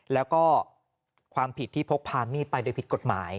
แล้วก็ความผิดที่พกพามีดไปโดยผิดกฎหมาย